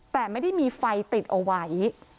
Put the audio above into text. แต่ไม่ได้มีไฟติดเอาไว้